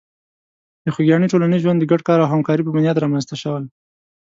د خوږیاڼي ټولنیز ژوند د ګډ کار او همکاري په بنیاد رامنځته شوی.